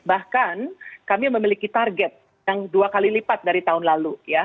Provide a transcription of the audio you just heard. bahkan kami memiliki target yang dua kali lipat dari tahun lalu